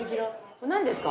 これなんですか？